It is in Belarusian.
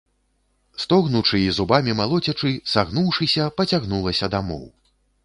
Стогнучы і зубамі малоцячы, сагнуўшыся, пацягнулася дамоў.